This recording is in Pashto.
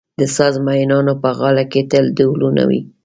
د ساز مېنانو په غاړه کې تل ډهلونه وي.